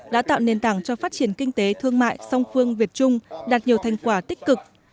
đã tạo nền tảng cho phát triển kinh tế thương mại song phương việt trung đạt nhiều thành quả tích cực